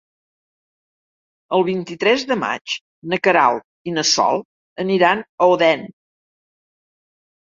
El vint-i-tres de maig na Queralt i na Sol aniran a Odèn.